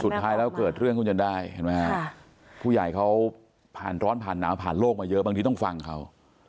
สุดท้ายแล้วเกิดเรื่องทุนยนต์ได้ฟุ่ยายเขาผ่านร้อนผ่านหนัวผ่านโลกมาเยอะบางทีต้องฟังเขา